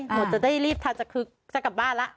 ผนจะได้รีบทันจะกลับบ้านละ